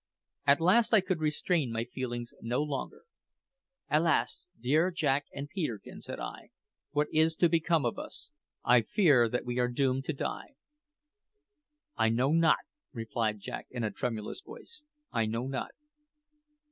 At last I could restrain my feelings no longer. "Alas! dear Jack and Peterkin," said I, "what is to become of us? I fear that we are doomed to die." "I know not," replied Jack in a tremulous voice "I know not.